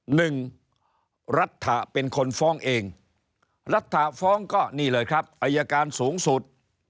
หนึ่งรัฐเป็นคนฟ้องเองรัฐฟ้องก็นี่เลยครับอายการสูงสุด